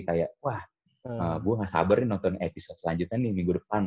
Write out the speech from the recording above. kayak wah gue nggak sabar nih nonton episode selanjutnya nih minggu depan